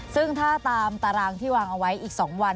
ซึ่งถ้าตามตารางที่วางเอาไว้อีก๒วัน